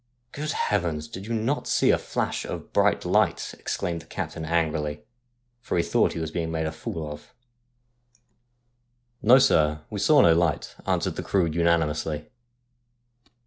' Good heavens ! did you not see a flash of bright light ?' exclaimed the captain angrily, for he thought he was being made a fool of. 'No, sir, we saw no light,' answered the crew unani mously.